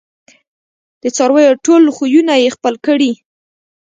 د څارویو ټول خویونه یې خپل کړي